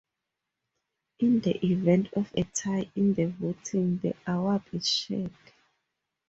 In the event of a tie in the voting, the award is shared.